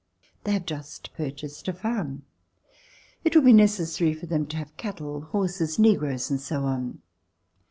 They have just purchased a farm. It will be necessary for them to have cattle, horses, negroes and so on.